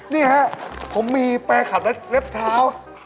นี่ฮะผมมีแปรขัดและเล็บเท้า